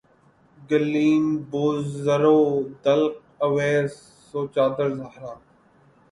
Gleam بو ذر و دلق اویس و چادر زہرا